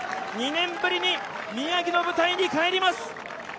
２年ぶりに宮城の舞台に帰ります。